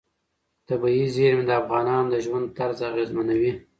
طبیعي زیرمې د افغانانو د ژوند طرز اغېزمنوي.